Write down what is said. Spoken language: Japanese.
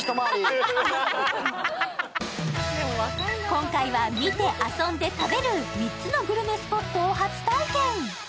今回は見て、遊んで、食べる３つのグルメスポットを初体験。